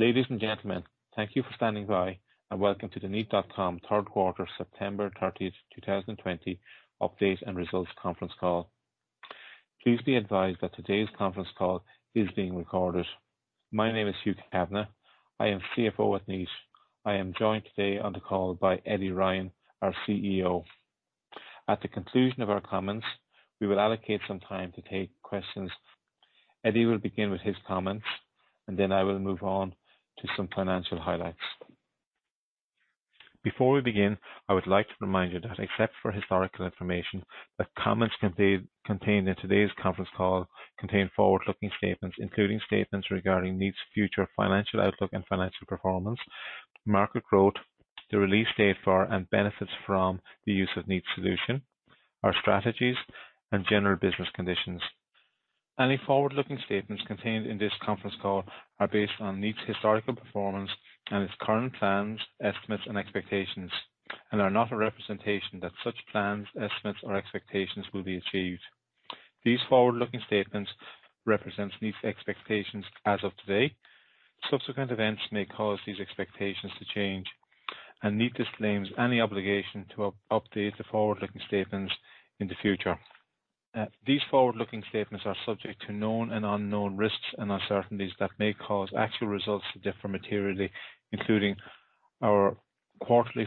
Ladies and gentlemen, thank you for standing by and welcome to the Kneat.com third quarter September 30th, 2020 update and results conference call. Please be advised that today's conference call is being recorded. My name is Hugh Kavanagh. I am CFO at Kneat. I am joined today on the call by Eddie Ryan, our CEO. At the conclusion of our comments, we will allocate some time to take questions. Eddie will begin with his comments, and then I will move on to some financial highlights. Before we begin, I would like to remind you that except for historical information, that comments contained in today's conference call contain forward-looking statements, including statements regarding Kneat's future financial outlook and financial performance, market growth, the release date for and benefits from the use of Kneat Solutions, our strategies and general business conditions. Any forward-looking statements contained in this conference call are based on Kneat's historical performance and its current plans, estimates and expectations and are not a representation that such plans, estimates or expectations will be achieved. These forward-looking statements represent Kneat's expectations as of today. Subsequent events may cause these expectations to change, and Kneat disclaims any obligation to update the forward-looking statements in the future. These forward-looking statements are subject to known and unknown risks and uncertainties that may cause actual results to differ materially, including our quarterly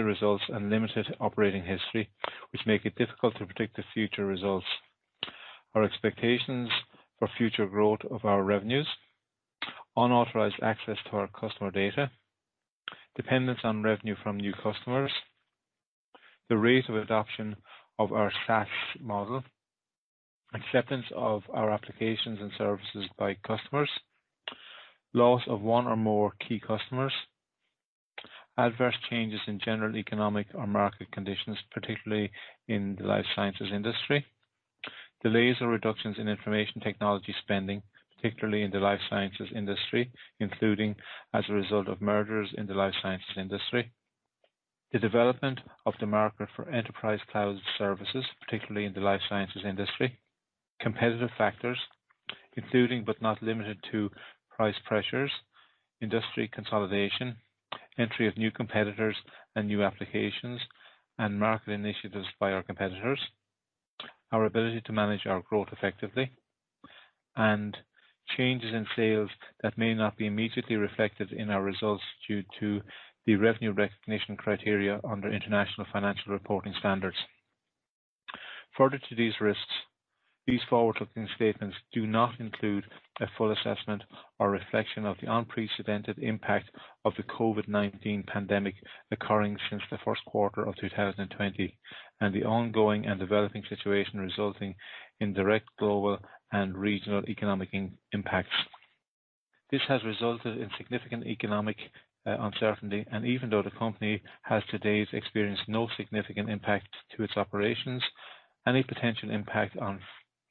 results and limited operating history, which make it difficult to predict the future results. Our expectations for future growth of our revenues, unauthorized access to our customer data, dependence on revenue from new customers, the rate of adoption of our SaaS model, acceptance of our applications and services by customers, loss of one or more key customers, adverse changes in general economic or market conditions, particularly in the life sciences industry, delays or reductions in information technology spending, particularly in the life sciences industry, including as a result of mergers in the life sciences industry, the development of the market for enterprise cloud services particularly in the life sciences industry, competitive factors including but not limited to price pressures, industry consolidation, entry of new competitors and new applications and market initiatives by our competitors, our ability to manage our growth effectively and changes in sales that may not be immediately reflected in our results due to the revenue recognition criteria under International Financial Reporting Standards. Further to these risks, these forward-looking statements do not include a full assessment or reflection of the unprecedented impact of the COVID-19 pandemic occurring since the first quarter of 2020 and the ongoing and developing situation resulting in direct global and regional economic impacts. This has resulted in significant economic uncertainty, and even though the company has to date experienced no significant impact to its operations, any potential impact on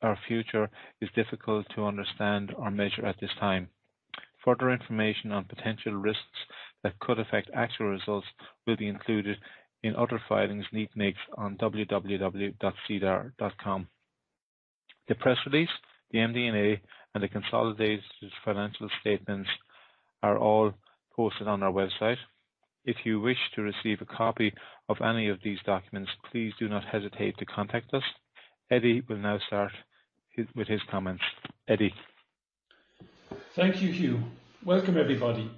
our future is difficult to understand or measure at this time. Further information on potential risks that could affect actual results will be included in other filings Kneat makes on www.sedar.com. The press release, the MD&A, and the consolidated financial statements are all posted on our website. If you wish to receive a copy of any of these documents, please do not hesitate to contact us. Eddie will now start with his comments. Eddie. Thank you, Hugh. Welcome everybody.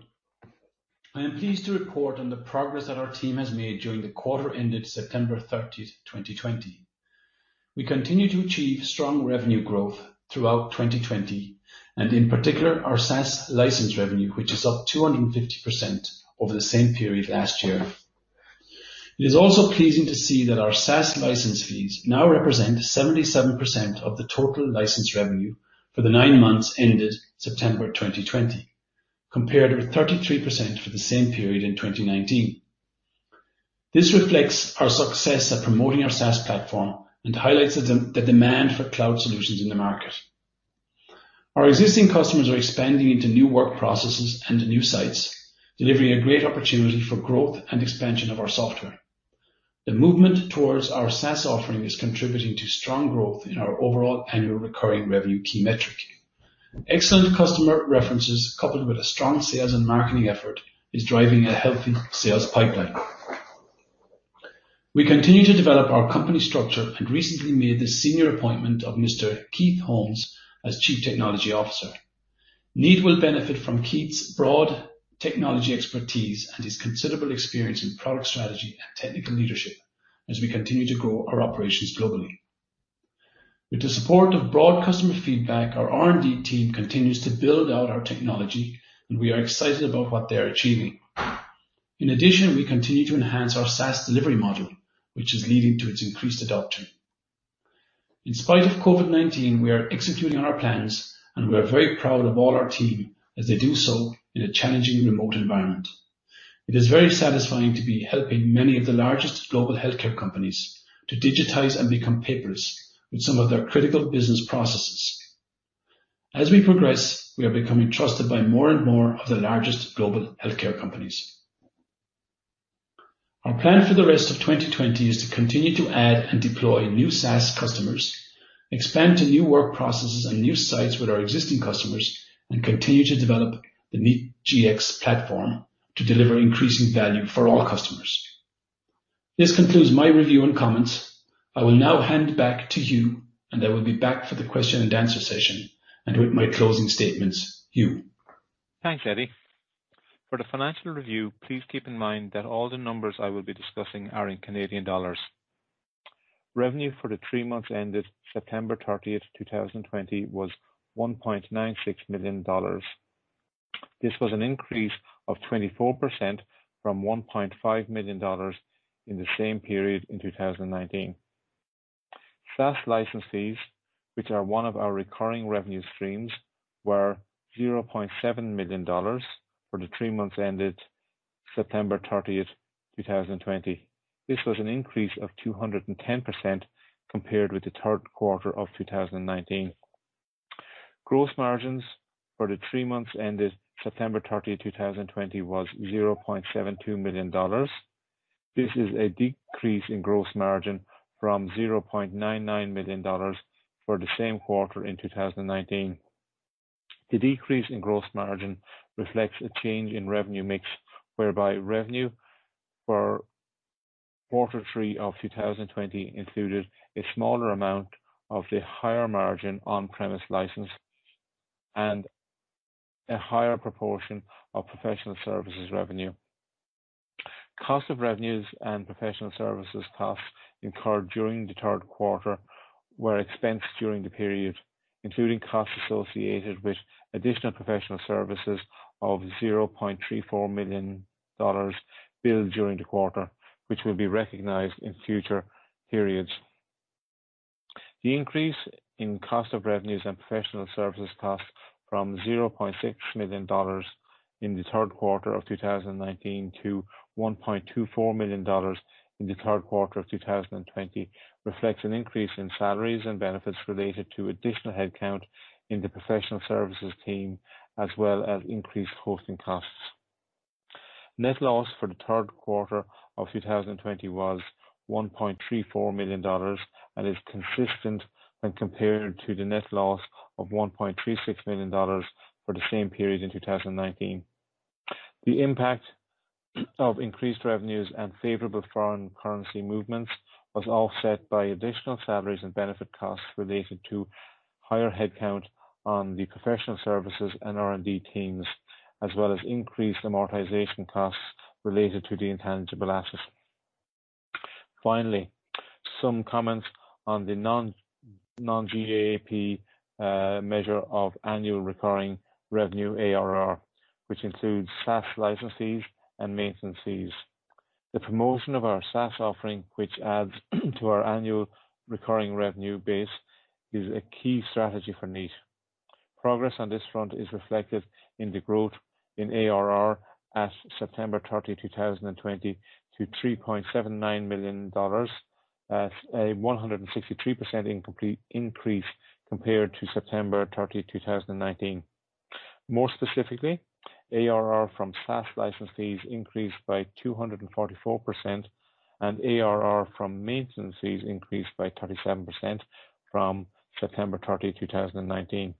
I am pleased to report on the progress that our team has made during the quarter ended September 30, 2020. We continue to achieve strong revenue growth throughout 2020 and in particular our SaaS license revenue, which is up 250% over the same period last year. It is also pleasing to see that our SaaS license fees now represent 77% of the total license revenue for the nine months ended September 2020, compared with 33% for the same period in 2019. This reflects our success at promoting our SaaS platform and highlights the demand for cloud solutions in the market. Our existing customers are expanding into new work processes and new sites, delivering a great opportunity for growth and expansion of our software. The movement towards our SaaS offering is contributing to strong growth in our overall annual recurring revenue key metric. Excellent customer references coupled with a strong sales and marketing effort is driving a healthy sales pipeline. We continue to develop our company structure and recently made the senior appointment of Mr. Keith Holmes as Chief Technology Officer. Kneat will benefit from Keith's broad technology expertise and his considerable experience in product strategy and technical leadership as we continue to grow our operations globally. In addition, we continue to enhance our SaaS delivery model, which is leading to its increased adoption. In spite of COVID-19, we are executing our plans and we are very proud of all our team as they do so in a challenging remote environment. It is very satisfying to be helping many of the largest global healthcare companies to digitize and become paperless with some of their critical business processes. As we progress, we are becoming trusted by more and more of the largest global healthcare companies. Our plan for the rest of 2020 is to continue to add and deploy new SaaS customers, expand to new work processes and new sites with our existing customers, and continue to develop the Kneat Gx platform to deliver increasing value for all customers. This concludes my review and comments. I will now hand back to Hugh, and I will be back for the question and answer session and with my closing statements. Hugh. Thanks, Eddie. For the financial review, please keep in mind that all the numbers I will be discussing are in Canadian dollars. Revenue for the three months ended September 30th, 2020, was 1.96 million dollars. This was an increase of 24% from 1.5 million dollars in the same period in 2019. SaaS license fees, which are one of our recurring revenue streams, were 0.7 million dollars for the three months ended September 30th, 2020. This was an increase of 210% compared with the third quarter of 2019. Gross margins for the three months ended September 30, 2020, was 0.72 million dollars. This is a decrease in gross margin from 0.99 million dollars for the same quarter in 2019. The decrease in gross margin reflects a change in revenue mix, whereby revenue for quarter three of 2020 included a smaller amount of the higher margin on-premise license and a higher proportion of professional services revenue. Cost of revenues and professional services costs incurred during the third quarter were expensed during the period, including costs associated with additional professional services of 0.34 million dollars billed during the quarter, which will be recognized in future periods. The increase in cost of revenues and professional services costs from 0.6 million dollars in the third quarter of 2019 to 1.24 million dollars in the third quarter of 2020 reflects an increase in salaries and benefits related to additional headcount in the professional services team, as well as increased hosting costs. Net loss for the third quarter of 2020 was 1.34 million dollars and is consistent when compared to the net loss of 1.36 million dollars for the same period in 2019. The impact of increased revenues and favorable foreign currency movements was offset by additional salaries and benefit costs related to higher headcount on the professional services and R&D teams, as well as increased amortization costs related to the intangible assets. Finally, some comments on the non-GAAP measure of annual recurring revenue, ARR, which includes SaaS license fees and maintenance fees. The promotion of our SaaS offering, which adds to our annual recurring revenue base, is a key strategy for Kneat. Progress on this front is reflected in the growth in ARR at September 30, 2020, to CAD 3.79 million, a 163% increase compared to September 30, 2019. More specifically, ARR from SaaS license fees increased by 244%, and ARR from maintenance fees increased by 37% from September 30, 2019.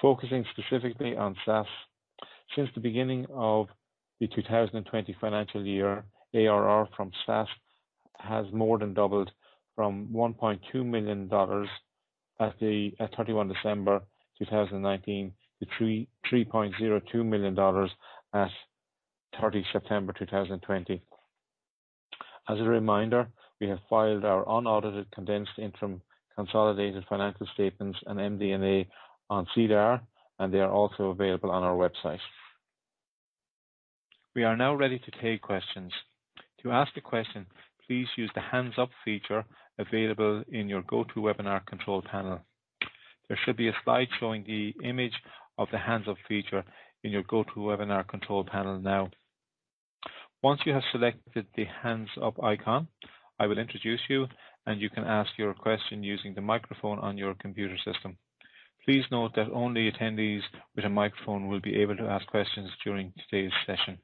Focusing specifically on SaaS, since the beginning of the 2020 financial year, ARR from SaaS has more than doubled from 1.2 million dollars at 31 December 2019 to 3.02 million dollars at 30 September 2020. As a reminder, we have filed our unaudited condensed interim consolidated financial statements and MD&A on SEDAR, and they are also available on our website. We are now ready to take questions. To ask a question, please use the hands up feature available in your GoToWebinar control panel. There should be a slide showing the image of the hands up feature in your GoToWebinar control panel now. Once you have selected the hands up icon, I will introduce you, and you can ask your question using the microphone on your computer system. Please note that only attendees with a microphone will be able to ask questions during today's session.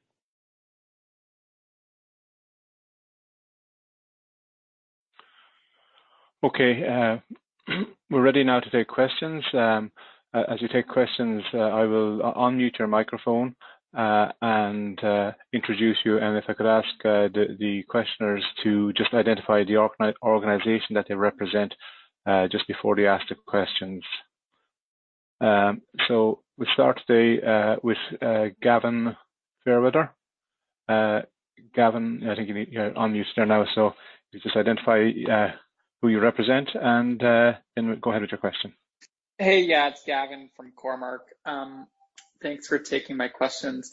Okay. We're ready now to take questions. As you take questions, I will unmute your microphone and introduce you, and if I could ask the questioners to just identify the organization that they represent just before they ask the questions. We start today with Gavin Fairweather. Gavin, I think you're unmuted now, if you just identify who you represent, and then go ahead with your question. Hey. Yeah. It's Gavin from Cormark. Thanks for taking my questions.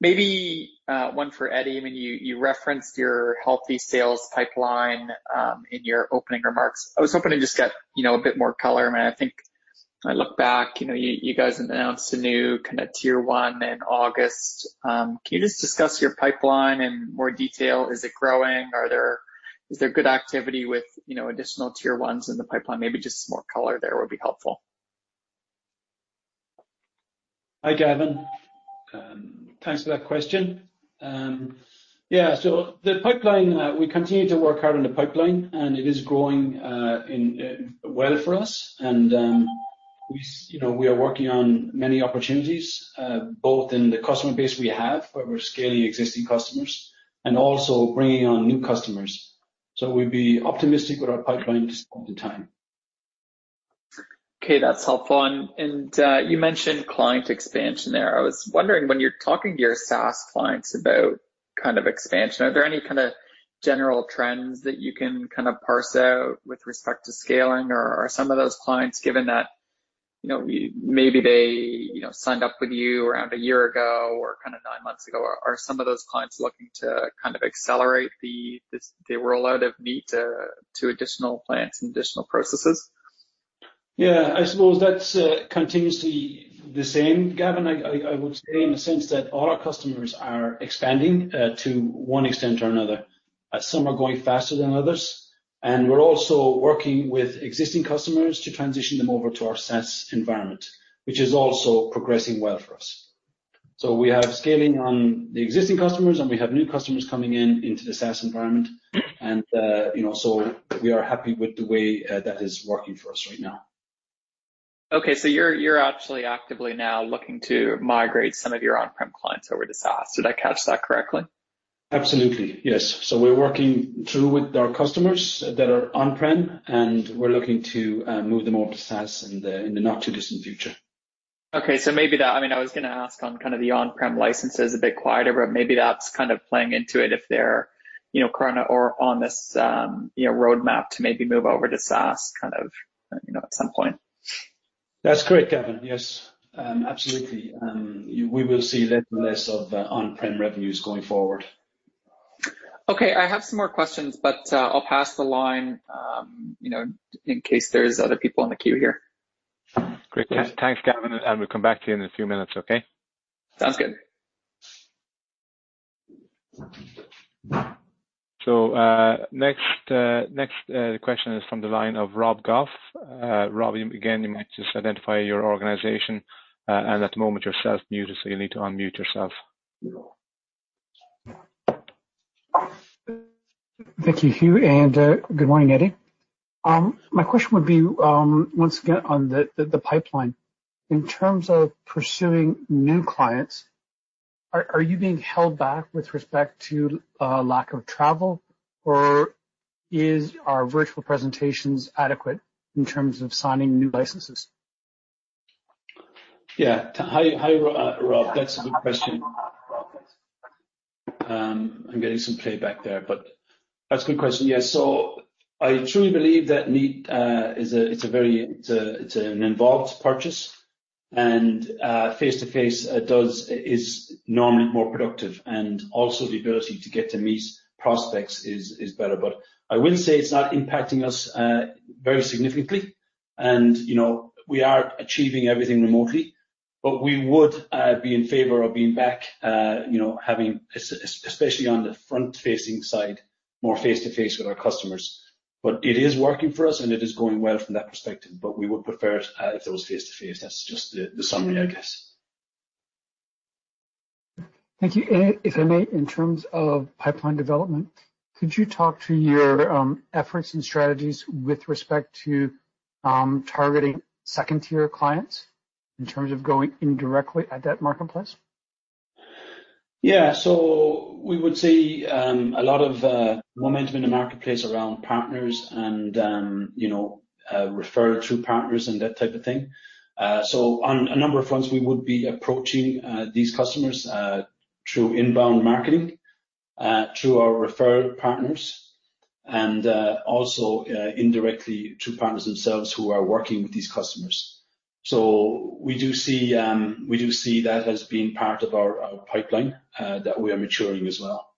Maybe one for Eddie. When you referenced your healthy sales pipeline in your opening remarks, I was hoping to just get a bit more color. Man, I think I look back, you guys announced a new kind of tier 1 in August. Can you just discuss your pipeline in more detail? Is it growing? Is there good activity with additional tier 1s in the pipeline? Maybe just some more color there would be helpful. Hi, Gavin. Thanks for that question. Yeah, the pipeline, we continue to work hard on the pipeline, and it is growing well for us. We are working on many opportunities, both in the customer base we have, where we're scaling existing customers, and also bringing on new customers. We'd be optimistic with our pipeline at this point in time. Okay. That's helpful. You mentioned client expansion there. I was wondering, when you're talking to your SaaS clients about expansion, are there any kind of general trends that you can parse out with respect to scaling? Are some of those clients, given that maybe they signed up with you around a year ago or nine months ago, are some of those clients looking to kind of accelerate the rollout of Kneat to additional plants and additional processes? Yeah, I suppose that's continuously the same, Gavin. I would say in the sense that all our customers are expanding to one extent or another. Some are going faster than others. We're also working with existing customers to transition them over to our SaaS environment, which is also progressing well for us. We have scaling on the existing customers, and we have new customers coming in into the SaaS environment. We are happy with the way that is working for us right now. Okay, you're actually actively now looking to migrate some of your on-prem clients over to SaaS. Did I catch that correctly? Absolutely, yes. We're working through with our customers that are on-prem, and we're looking to move them over to SaaS in the not-too-distant future. Okay. I was going to ask on kind of the on-prem licenses a bit quieter, but maybe that's kind of playing into it if they're on this roadmap to maybe move over to SaaS at some point. That's correct, Gavin. Yes. Absolutely. We will see less of on-prem revenues going forward. Okay. I have some more questions, but I'll pass the line in case there's other people in the queue here. Great. Thanks, Gavin, and we'll come back to you in a few minutes, okay? Sounds good. Next question is from the line of Rob Goff. Rob, again, you might just identify your organization, and at the moment you're self-muted, so you'll need to unmute yourself. Thank you, Hugh, and good morning, Eddie. My question would be, once again, on the pipeline. In terms of pursuing new clients, are you being held back with respect to lack of travel, or is our virtual presentations adequate in terms of signing new licenses? Hi, Rob. That's a good question. I'm getting some playback there. That's a good question. I truly believe that Kneat, it's an involved purchase and face-to-face is normally more productive, also the ability to get to meet prospects is better. I will say it's not impacting us very significantly. We are achieving everything remotely, we would be in favor of being back, especially on the front-facing side, more face-to-face with our customers. It is working for us, it is going well from that perspective, we would prefer it if it was face-to-face. That's just the summary, I guess. Thank you. If I may, in terms of pipeline development, could you talk to your efforts and strategies with respect to targeting second-tier clients in terms of going indirectly at that marketplace? Yeah. We would see a lot of momentum in the marketplace around partners and referral through partners and that type of thing. On a number of fronts, we would be approaching these customers through inbound marketing, through our referral partners, and also indirectly through partners themselves who are working with these customers. We do see that as being part of our pipeline that we are maturing as well.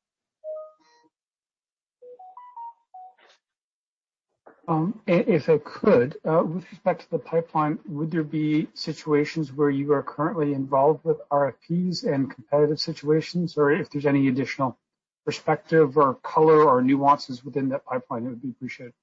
If I could, with respect to the pipeline, would there be situations where you are currently involved with RFPs and competitive situations, or if there's any additional perspective or color or nuances within that pipeline, it would be appreciated.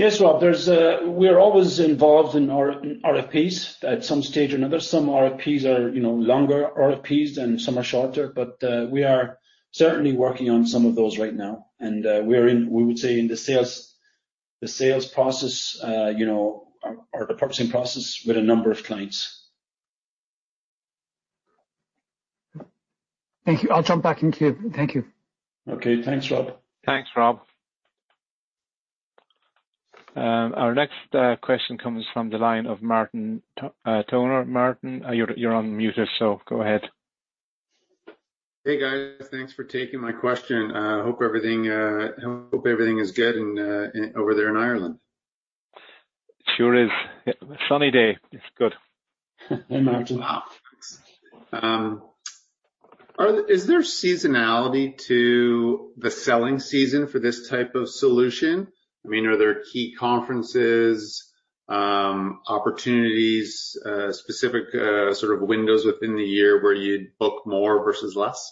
Yes, Rob. We're always involved in RFPs at some stage or another. Some RFPs are longer RFPs and some are shorter, but we are certainly working on some of those right now. We would say in the sales process or the purchasing process with a number of clients. Thank you. I'll jump back in queue. Thank you. Okay. Thanks, Rob. Thanks, Rob. Our next question comes from the line of Martin Toner. Martin, you're unmuted, so go ahead. Hey, guys. Thanks for taking my question. Hope everything is good over there in Ireland. Sure is. Sunny day. It's good. Hey, Martin. Wow. Is there seasonality to the selling season for this type of solution? Are there key conferences, opportunities, specific sort of windows within the year where you'd book more versus less?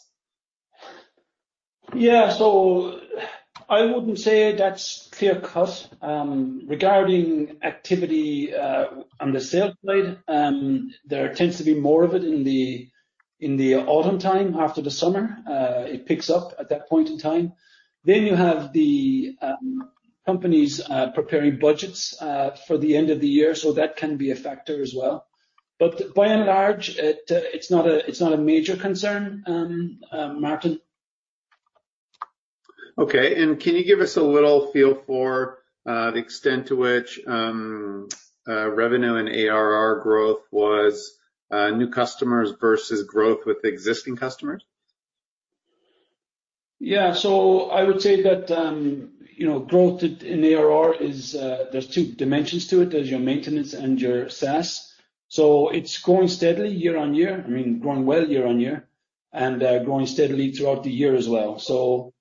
Yeah. I wouldn't say that's clear-cut. Regarding activity on the sales side, there tends to be more of it in the autumn time after the summer. It picks up at that point in time. You have the companies preparing budgets for the end of the year, that can be a factor as well. By and large, it's not a major concern, Martin. Okay. Can you give us a little feel for the extent to which revenue and ARR growth was new customers versus growth with existing customers? I would say that growth in ARR, there's two dimensions to it. There's your maintenance and your SaaS. It's growing steadily year on year, growing well year on year, and growing steadily throughout the year as well.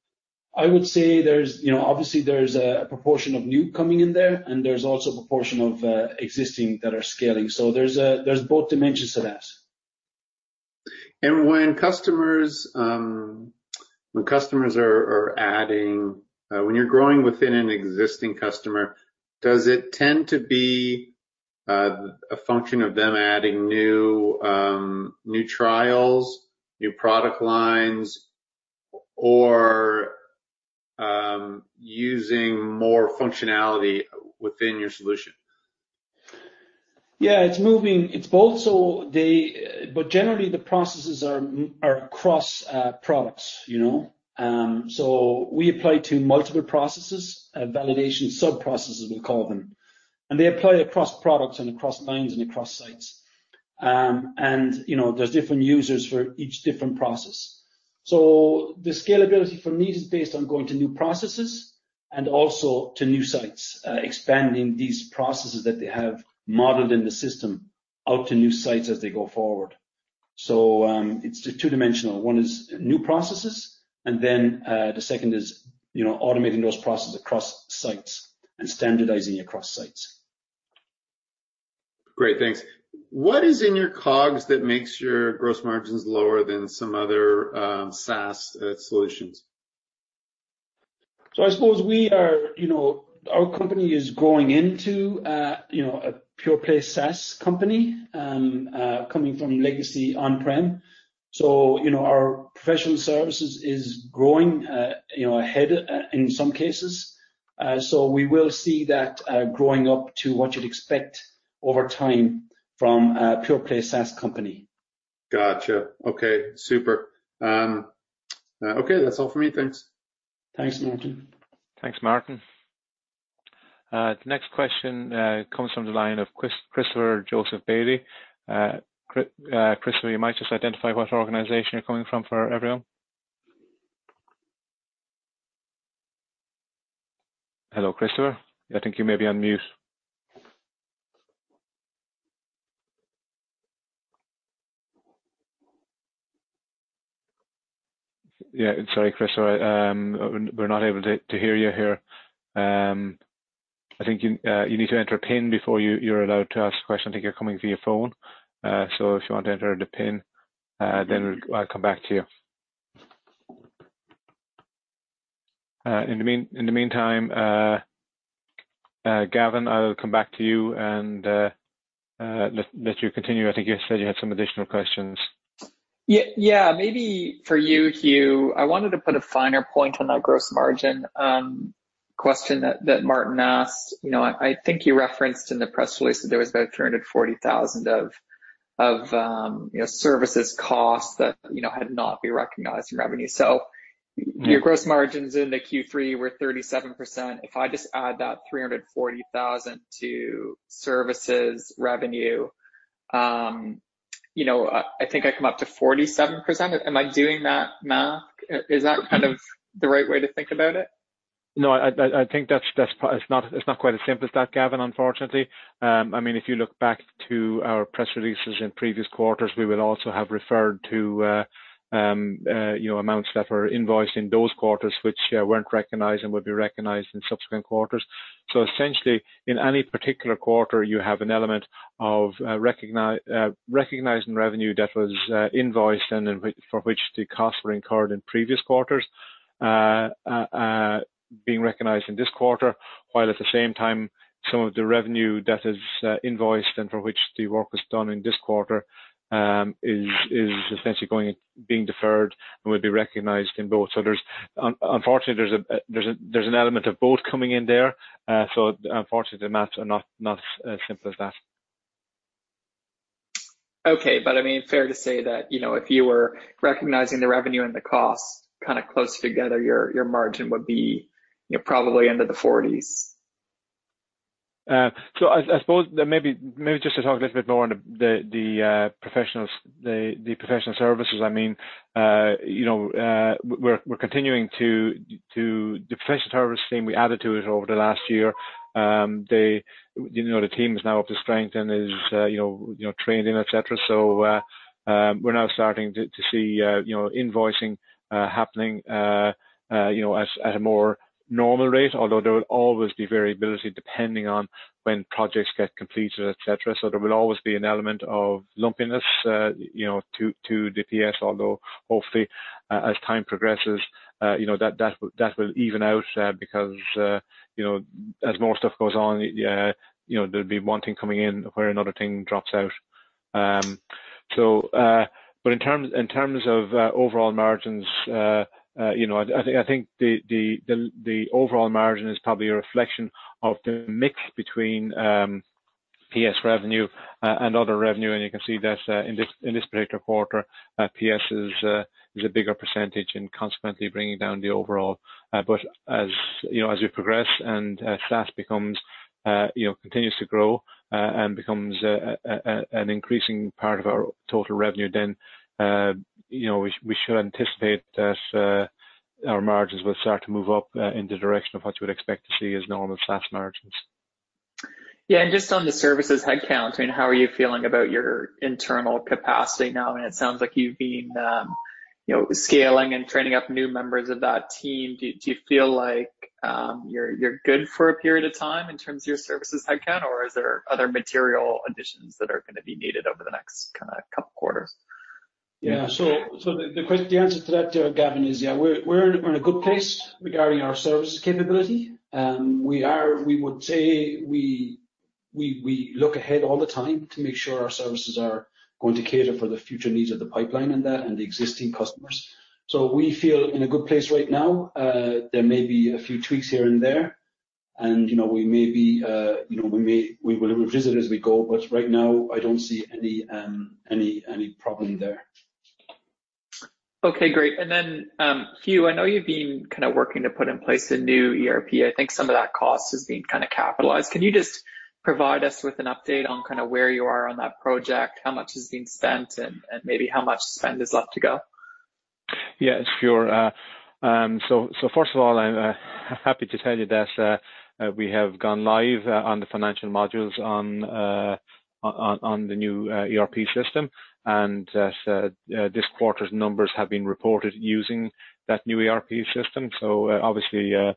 I would say, obviously, there's a proportion of new coming in there, and there's also a proportion of existing that are scaling. There's both dimensions to that. When you're growing within an existing customer, does it tend to be a function of them adding new trials, new product lines, or using more functionality within your solution? Yeah, it's both. Generally, the processes are across products. We apply to multiple processes, validation subprocesses, we call them. They apply across products and across lines and across sites. There's different users for each different process. The scalability for me is based on going to new processes and also to new sites, expanding these processes that they have modeled in the system out to new sites as they go forward. It's two-dimensional. One is new processes, and then the second is automating those processes across sites and standardizing across sites. Great. Thanks. What is in your COGS that makes your gross margins lower than some other SaaS solutions? I suppose our company is growing into a pure-play SaaS company, coming from legacy on-prem. Our professional services is growing ahead in some cases. We will see that growing up to what you'd expect over time from a pure-play SaaS company. Got you. Okay, super. Okay, that's all from me. Thanks. Thanks, Martin. Thanks, Martin. The next question comes from the line of Christopher Joseph Bailey. Christopher, you might just identify what organization you're coming from for everyone. Hello, Christopher? I think you may be on mute. Yeah. Sorry, Christopher. We're not able to hear you here. I think you need to enter a pin before you're allowed to ask a question. I think you're coming via phone. If you want to enter the pin, then I'll come back to you. In the meantime, Gavin, I'll come back to you and let you continue. I think you said you had some additional questions. Yeah. Maybe for you, Hugh, I wanted to put a finer point on that gross margin question that Martin asked. I think you referenced in the press release that there was about CAD 340,000 of services costs that had not been recognized in revenue. Your gross margins into Q3 were 37%. If I just add that 340,000 to services revenue, I think I come up to 47%. Am I doing that math? Is that kind of the right way to think about it? No, I think it's not quite as simple as that, Gavin, unfortunately. If you look back to our press releases in previous quarters, we would also have referred to amounts that were invoiced in those quarters, which weren't recognized and would be recognized in subsequent quarters. Essentially, in any particular quarter, you have an element of recognized revenue that was invoiced and for which the costs were incurred in previous quarters being recognized in this quarter. While at the same time, some of the revenue that is invoiced and for which the work was done in this quarter is essentially being deferred and will be recognized in both. Unfortunately, there's an element of both coming in there. Unfortunately, the math are not as simple as that. Okay. Fair to say that if you were recognizing the revenue and the costs kind of close together, your margin would be probably into the 40s. I suppose maybe just to talk a little bit more on the professional services. The professional service team we added to it over the last year. The team is now up to strength and is trained and et cetera. We're now starting to see invoicing happening at a more normal rate, although there will always be variability depending on when projects get completed, et cetera. There will always be an element of lumpiness to the PS, although hopefully as time progresses that will even out because as more stuff goes on, there'll be one thing coming in where another thing drops out. In terms of overall margins, I think the overall margin is probably a reflection of the mix between PS revenue and other revenue. You can see that in this particular quarter, PS is a bigger percentage and consequently bringing down the overall. As we progress and SaaS continues to grow and becomes an increasing part of our total revenue, then we should anticipate that our margins will start to move up in the direction of what you would expect to see as normal SaaS margins. Yeah, just on the services headcount, how are you feeling about your internal capacity now? It sounds like you've been scaling and training up new members of that team. Do you feel like you're good for a period of time in terms of your services headcount, or are there other material additions that are going to be needed over the next couple quarters? Yeah. The answer to that, Gavin, is yeah, we're in a good place regarding our services capability. We would say we look ahead all the time to make sure our services are going to cater for the future needs of the pipeline and the existing customers. We feel in a good place right now. There may be a few tweaks here and there, and we will revisit as we go, but right now, I don't see any problem there. Okay, great. Then, Hugh, I know you've been kind of working to put in place a new ERP. I think some of that cost has been kind of capitalized. Can you just provide us with an update on where you are on that project, how much has been spent, and maybe how much spend is left to go? Yeah, sure. First of all, I'm happy to tell you that we have gone live on the financial modules on the new ERP system, and that this quarter's numbers have been reported using that new ERP system. Obviously, we're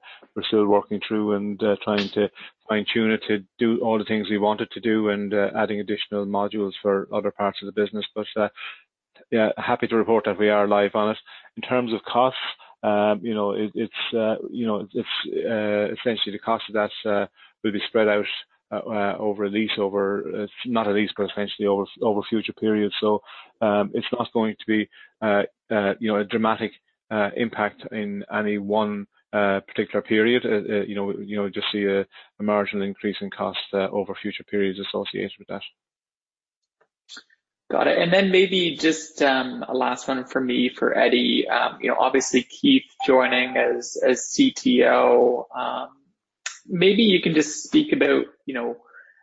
still working through and trying to fine-tune it to do all the things we want it to do and adding additional modules for other parts of the business. Yeah, happy to report that we are live on it. In terms of costs, essentially the cost of that will be spread out over a lease, not a lease, but essentially over future periods. It's not going to be a dramatic impact in any one particular period. You'll just see a marginal increase in cost over future periods associated with that. Got it. Maybe just a last one from me for Eddie. Obviously, Keith joining as CTO. Maybe you can just speak about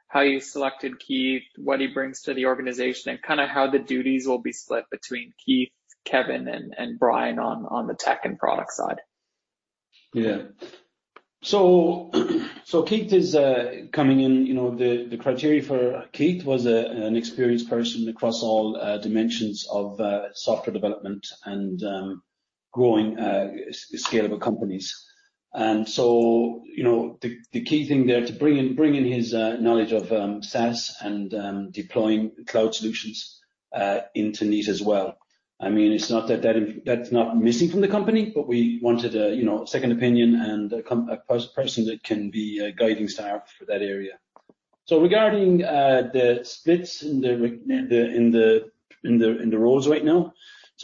how you selected Keith, what he brings to the organization, and kind of how the duties will be split between Keith, Kevin, and Brian on the tech and product side. Yeah. Keith is coming in. The criteria for Keith was an experienced person across all dimensions of software development and growing scalable companies. The key thing there to bring in his knowledge of SaaS and deploying cloud solutions into Kneat as well. It's not that that's not missing from the company, but we wanted a second opinion and a person that can be a guiding star for that area. Regarding the splits in the roles right now.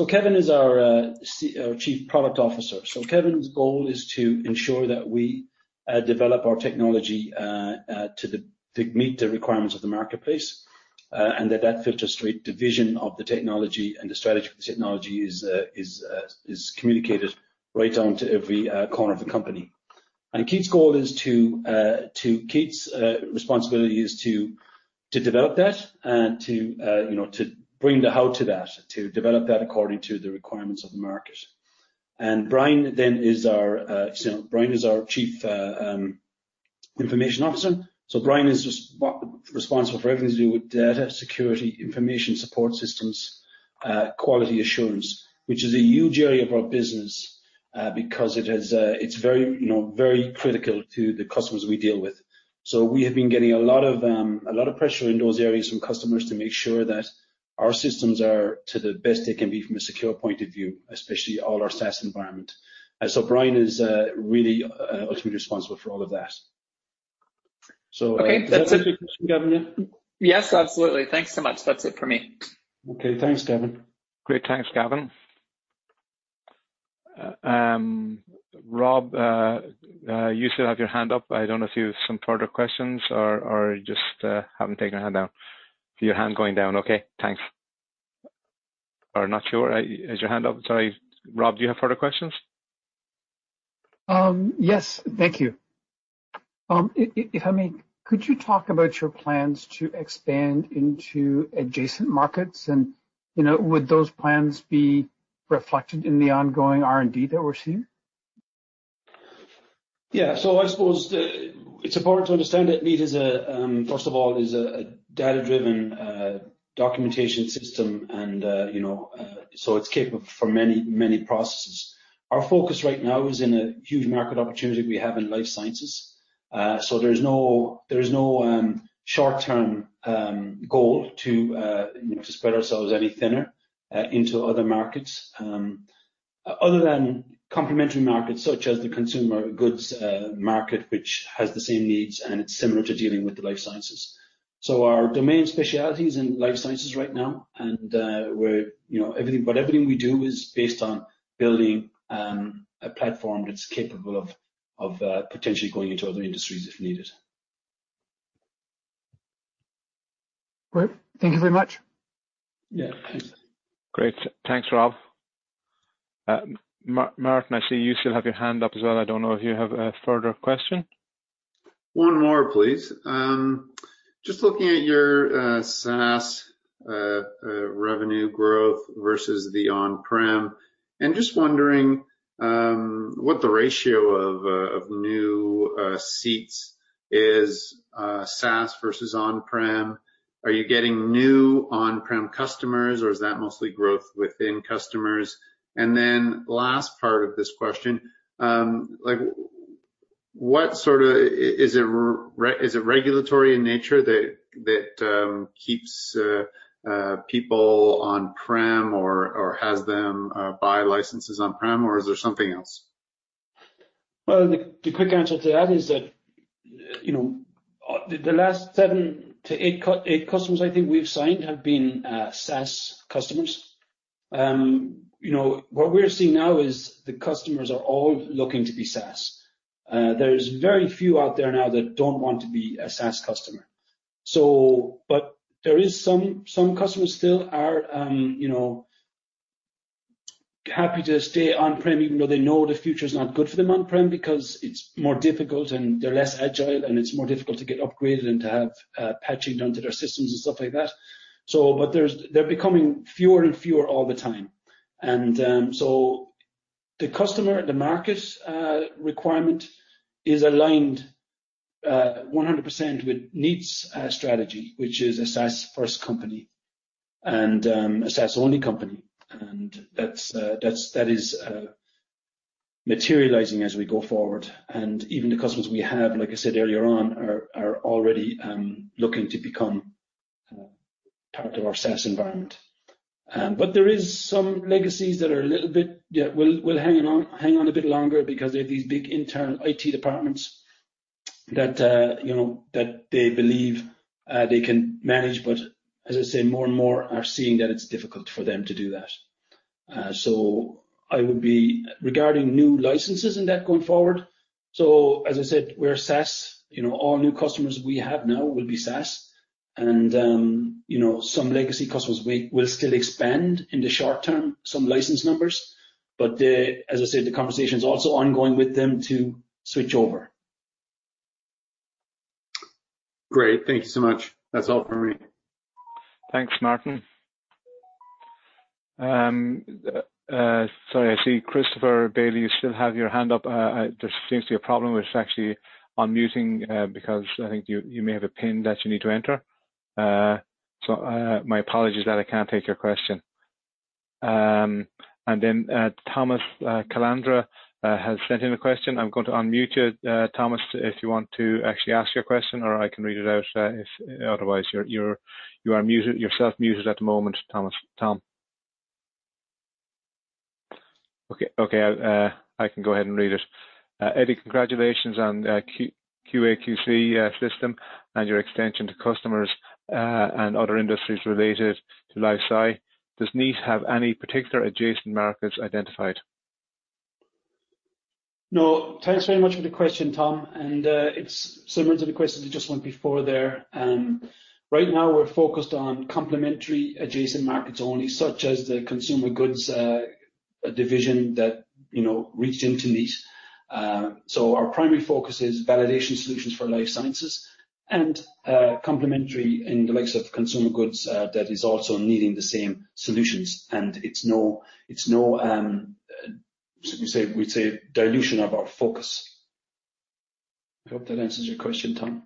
Kevin is our Chief Product Officer. Kevin's goal is to ensure that we develop our technology to meet the requirements of the marketplace, and that filters through the vision of the technology and the strategy for the technology is communicated right down to every corner of the company. Keith's responsibility is to develop that and to bring the how to that, to develop that according to the requirements of the market. Brian then is our Chief Information Officer. Brian is responsible for everything to do with data security, information support systems, quality assurance, which is a huge area of our business because it's very critical to the customers we deal with. We have been getting a lot of pressure in those areas from customers to make sure that our systems are to the best they can be from a secure point of view, especially all our SaaS environment. Brian is really ultimately responsible for all of that. Okay. That's it. Does that answer your question, Gavin? Yeah. Yes, absolutely. Thanks so much. That's it for me. Okay. Thanks, Gavin. Great. Thanks, Gavin. Rob, you still have your hand up. I don't know if you have some further questions or you just haven't taken your hand down. See your hand going down. Okay, thanks. Not sure. Is your hand up? Sorry. Rob, do you have further questions? Yes. Thank you. If I may, could you talk about your plans to expand into adjacent markets, and would those plans be reflected in the ongoing R&D that we're seeing? I suppose it's important to understand that Kneat, first of all, is a data-driven documentation system, so it's capable for many, many processes. Our focus right now is in a huge market opportunity we have in life sciences. There's no short-term goal to spread ourselves any thinner into other markets. Other than complementary markets such as the consumer goods market, which has the same needs, and it's similar to dealing with the life sciences. Our domain specialty is in life sciences right now, but everything we do is based on building a platform that's capable of potentially going into other industries if needed. Great. Thank you very much. Yeah. Thanks. Great. Thanks, Rob. Martin, I see you still have your hand up as well. I don't know if you have a further question. One more, please. Just looking at your SaaS revenue growth versus the on-prem, and just wondering what the ratio of new seats is, SaaS versus on-prem. Are you getting new on-prem customers, or is that mostly growth within customers? Last part of this question, is it regulatory in nature that keeps people on-prem or has them buy licenses on-prem, or is there something else? Well, the quick answer to that is that, the last seven to eight customers I think we've signed have been SaaS customers. What we're seeing now is the customers are all looking to be SaaS. There's very few out there now that don't want to be a SaaS customer. There is some customers still are happy to stay on-prem, even though they know the future's not good for them on-prem because it's more difficult and they're less agile, and it's more difficult to get upgraded and to have patching done to their systems and stuff like that. They're becoming fewer and fewer all the time. The customer, the market requirement is aligned 100% with Kneat's strategy, which is a SaaS first company and a SaaS only company. That is materializing as we go forward. Even the customers we have, like I said earlier on, are already looking to become part of our SaaS environment. There is some legacies that will hang on a bit longer because they have these big internal IT departments that they believe they can manage. As I say, more and more are seeing that it's difficult for them to do that. Regarding new licenses and that going forward, we're SaaS. All new customers we have now will be SaaS. Some legacy customers will still expand in the short term, some license numbers, but as I said, the conversation's also ongoing with them to switch over. Great. Thank you so much. That's all from me. Thanks, Martin. Sorry, I see Christopher Bailey, you still have your hand up. There seems to be a problem with actually unmuting, because I think you may have a pin that you need to enter. My apologies that I can't take your question. Thom Calandra has sent in a question. I'm going to unmute you, Thomas, if you want to actually ask your question, or I can read it out. Otherwise, you are self-muted at the moment, Thom. Okay. I can go ahead and read it. Eddie, congratulations on QA/QC system and your extension to customers, and other industries related to life sci. Does Kneat have any particular adjacent markets identified? No. Thanks very much for the question, Thom. It's similar to the question that just went before there. Right now, we're focused on complementary adjacent markets only, such as the consumer goods division that reached into Kneat. Our primary focus is validation solutions for life sciences and complementary in the likes of consumer goods, that is also needing the same solutions. It's no, we'd say dilution of our focus. I hope that answers your question, Thom.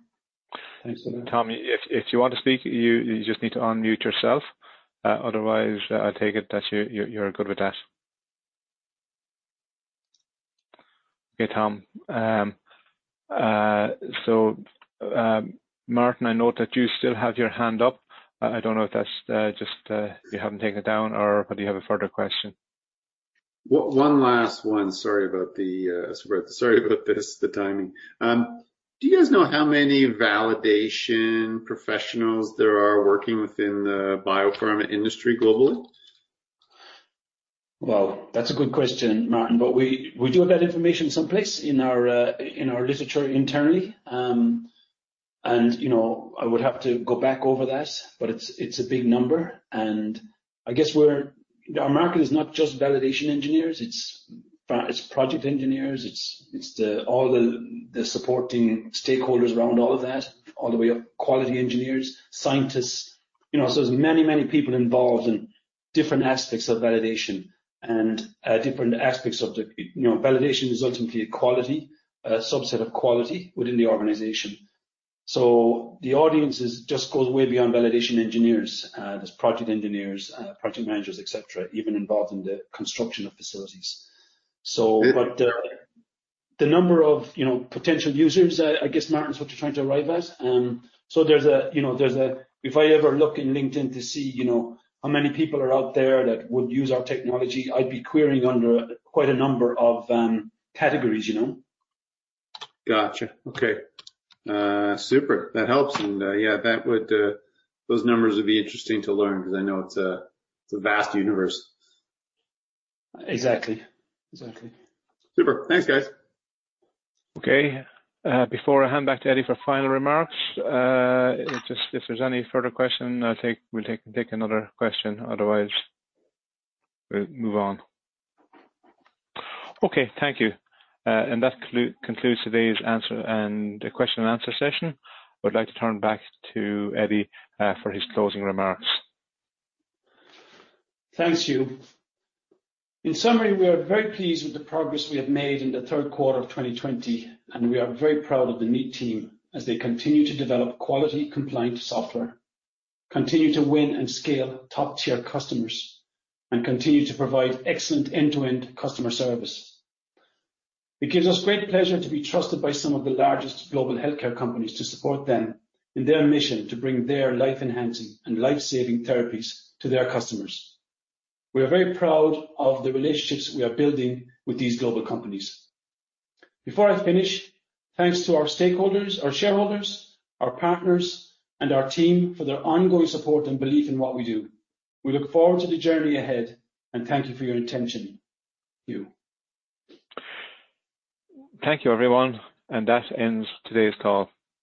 Thanks a lot. Thom, if you want to speak, you just need to unmute yourself. Otherwise, I take it that you're good with that. Okay, Thom. Martin, I note that you still have your hand up. I don't know if that's just you haven't taken it down, or do you have a further question? One last one. Sorry about this, the timing. Do you guys know how many validation professionals there are working within the biopharma industry globally? Well, that's a good question, Martin. We do have that information someplace in our literature internally. I would have to go back over that, but it's a big number, and I guess our market is not just validation engineers, it's project engineers, it's all the supporting stakeholders around all of that, all the way up. Quality engineers, scientists, so there's many people involved and different aspects of validation and different aspects of the validation is ultimately a quality, a subset of quality within the organization. The audience just goes way beyond validation engineers. There's project engineers, project managers, et cetera, even involved in the construction of facilities. The number of potential users, I guess, Martin, is what you're trying to arrive at. If I ever look in LinkedIn to see how many people are out there that would use our technology, I'd be querying under quite a number of categories. Got you. Okay. Super. That helps. Yeah, those numbers would be interesting to learn, because I know it's a vast universe. Exactly. Super. Thanks, guys. Okay. Before I hand back to Eddie for final remarks, if there's any further question, we'll take another question. Otherwise, we'll move on. Okay, thank you. That concludes today's question and answer session. I would like to turn back to Eddie for his closing remarks. Thanks, Hugh. In summary, we are very pleased with the progress we have made in the third quarter of 2020, and we are very proud of the Kneat team as they continue to develop quality compliant software, continue to win and scale top-tier customers, and continue to provide excellent end-to-end customer service. It gives us great pleasure to be trusted by some of the largest global healthcare companies to support them in their mission to bring their life-enhancing and life-saving therapies to their customers. We are very proud of the relationships we are building with these global companies. Before I finish, thanks to our stakeholders, our shareholders, our partners, and our team for their ongoing support and belief in what we do. We look forward to the journey ahead, and thank you for your attention. Hugh. Thank you, everyone, and that ends today's call.